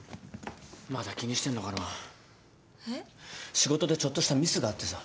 仕事でちょっとしたミスがあってさ。